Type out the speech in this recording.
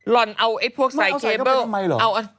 ลองเอาพวกใส่เคเบอร์